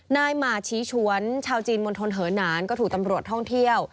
หมาชีฉวนชาวจีนมณฑลเหอนานก็ถูกตำรวจท่องเที่ยว